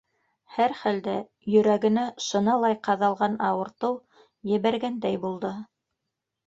Һәр хәлдә, йөрәгенә шыналай ҡаҙалған ауыртыу ебәргәндәй булды.